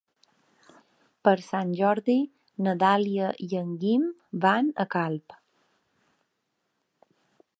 Per Sant Jordi na Dàlia i en Guim van a Calp.